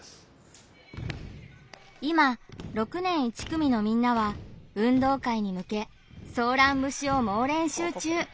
今６年１組のみんなは運動会に向けソーラン節を猛練習中。